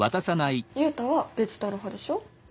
ユウタはデジタル派でしょ？